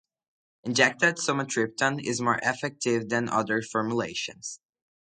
Injected sumatriptan is more effective than other formulations.